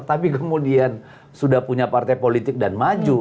tapi kemudian sudah punya partai politik dan maju